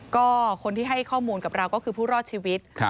ก็คนที่ให้ข้อมูลกับเราก็คือผู้รอดชีวิต